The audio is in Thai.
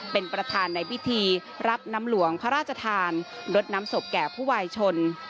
เป็นประธานในพิธีรับน้ำหลวงพระราชทานรถน้ำศพแก่ผู้วายชน